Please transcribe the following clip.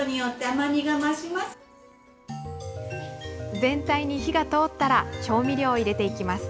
全体に火が通ったら調味料を入れていきます。